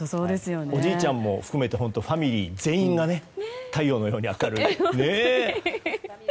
おじいちゃんも含めてファミリー全員が太陽のように明るい。